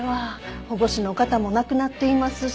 保護司の方も亡くなっていますし。